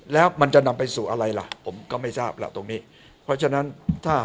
แล้วมันจะนำไปสู่อะไรล่ะผมก็ไม่ทราบล่ะตรงนี้